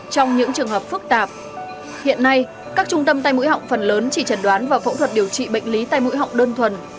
trong những trường hợp phức tạp hiện nay các trung tâm tay mũi họng phần lớn chỉ trần đoán và phẫu thuật điều trị bệnh lý tay mũi họng đơn thuần